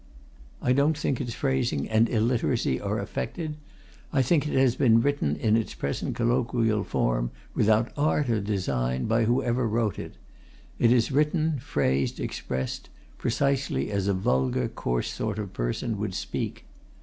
I don't think its phrasing and illiteracy are affected; I think it has been written in its present colloquial form without art or design, by whoever wrote it; it is written, phrased, expressed, precisely as a vulgar, coarse sort of person would speak.